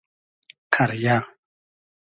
قئریۂ